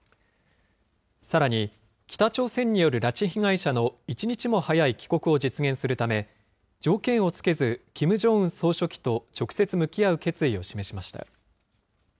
さらに、北朝鮮による拉致被害者の一日も早い帰国を実現するため、条件をつけず、キム・ジョンウン総書記と直接向き合う決意を示しました。